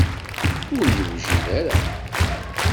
Ur yewjid ara.